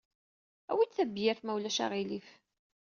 Awi-d tabyirt, ma ulac aɣilif.